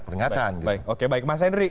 peringatan oke baik mas henry